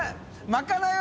まかない？